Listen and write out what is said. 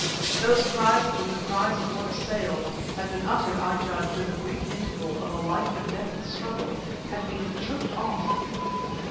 Those cries had been the cries of one assailed, had been uttered, I judged, in the brief interval of a life and death struggle; had been choked off...